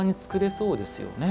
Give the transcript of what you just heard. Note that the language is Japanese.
そうですね。